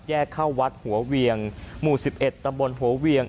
เข้าวัดหัวเวียงหมู่๑๑ตำบลหัวเวียง